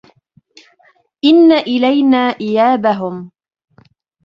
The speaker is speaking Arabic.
إِنَّ إِلَينا إِيابَهُم